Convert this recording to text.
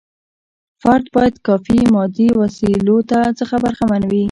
فرد باید کافي مادي وسیلو څخه برخمن وي.